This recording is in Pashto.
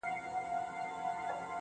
دا ګاز ډېر ژر اور اخلي